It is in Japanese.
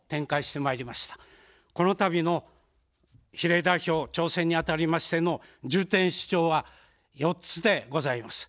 この度の比例代表挑戦にあたりましての重点主張は４つでございます。